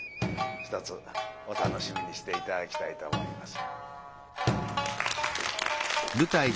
ひとつお楽しみにして頂きたいと思います。